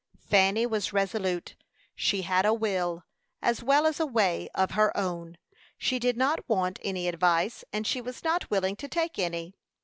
Fanny was resolute; she had a will, as well as a way, of her own. She did not want any advice, and she was not willing to take any.